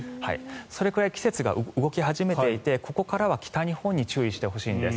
それくらい季節が動き始めていてここからは北日本に注意してほしいんです。